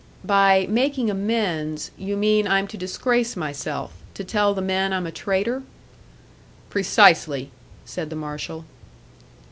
"By 'making amends,' you mean I'm to disgrace myself to tell the men I'm a traitor?" "Precisely," said the marshal.